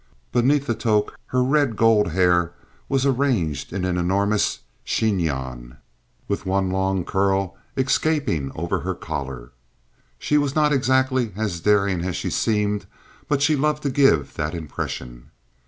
Beneath the toque her red gold hair was arranged in an enormous chignon, with one long curl escaping over her collar. She was not exactly as daring as she seemed, but she loved to give that impression.